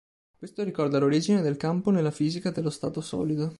Questo ricorda l'origine del campo nella fisica dello stato solido.